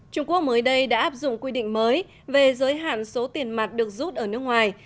trung quốc mới đây đã áp dụng quy định mới về giới hạn số tiền mặt được rút ở nước ngoài